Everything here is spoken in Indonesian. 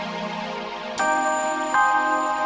tidak ada apa apa